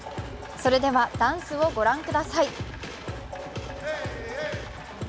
それでは、ダンスをご覧ください。